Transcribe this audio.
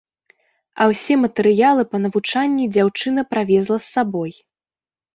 А ўсе матэрыялы па навучанні дзяўчына правезла з сабой.